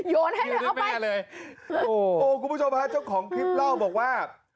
โหกุกุปุชมครับเจ้าของคลิปเล่าบอกว่า